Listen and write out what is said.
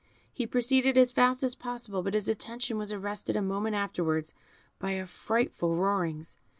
He proceeded as fast as possible, but his attention was arrested a moment afterwards by frightful roarings.